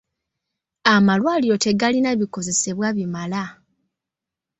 Amalwaliro tegalina bikozesebwa bimala.